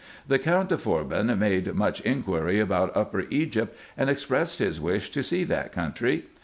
The Count de Forbin made much inquiry about Upper Egypt, and expressed his wish to see that country.